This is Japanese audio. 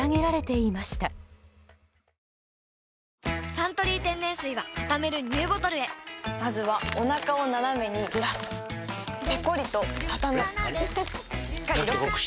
「サントリー天然水」はたためるＮＥＷボトルへまずはおなかをナナメにずらすペコリ！とたたむしっかりロック！